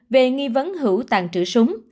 về nghi vấn hữu tàn trữ súng